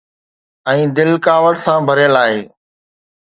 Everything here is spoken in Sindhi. ۽ دل ڪاوڙ سان ڀريل آهي.